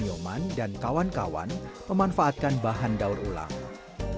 yoman dan kawan kawan memanfaatkan bahan daur ulang seperti korang atau kertas bekas